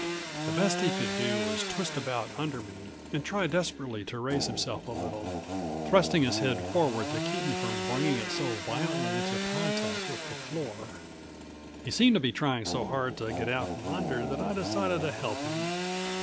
The best he could do was twist about under me and try desperately to raise himself a little, thrusting his head forward to keep me from bringing it so violently into contact with the floor. He seemed to be trying so hard to get out from under that I decided to help him.